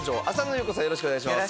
よろしくお願いします。